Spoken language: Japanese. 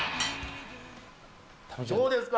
どうですか？